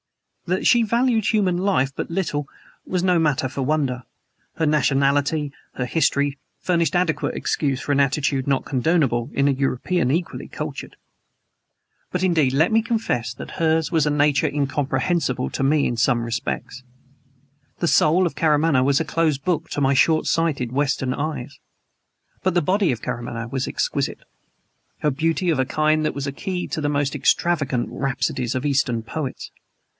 That she valued human life but little was no matter for wonder. Her nationality her history furnished adequate excuse for an attitude not condonable in a European equally cultured. But indeed let me confess that hers was a nature incomprehensible to me in some respects. The soul of Karamaneh was a closed book to my short sighted Western eyes. But the body of Karamaneh was exquisite; her beauty of a kind that was a key to the most extravagant rhapsodies of Eastern poets.